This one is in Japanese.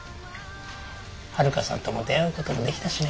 はるかさんとも出会うこともできたしね。